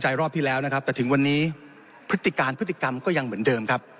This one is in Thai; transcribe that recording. รอบที่แล้วนะครับแต่ถึงวันนี้พฤติการพฤติกรรมก็ยังเหมือนเดิมครับ